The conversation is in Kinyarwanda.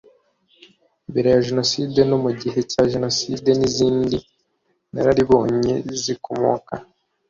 mbere ya jenoside no mu gihe cya jenoside n’izindi nararibonye zikomoka